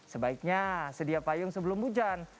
sebaiknya sedia payung sebelum hujan